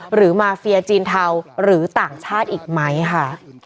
หรือมาเฟียจีนเทาหรือต่างชาติอีกไหมค่ะ